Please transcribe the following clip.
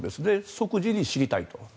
即時に知りたいと。